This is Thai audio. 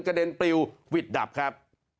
เด็นปลิวหวิดดับครับ